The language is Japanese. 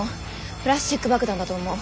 プラスチック爆弾だと思う。